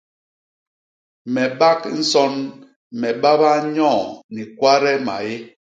Me bak nson, me babaa nyoo ni kwade maé.